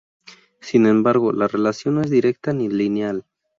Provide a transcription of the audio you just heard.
Sin embargo la relación no es directa ni lineal.